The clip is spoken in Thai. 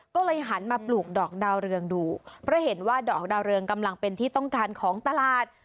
ก็เลยหันมาปลูกดอกดาวเรืองดูเพราะเห็นว่าดอกดาวเรืองกำลังเป็นที่ต้องการของตลาด